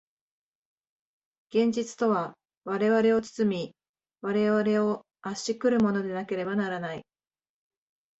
現実とは我々を包み、我々を圧し来るものでなければならない。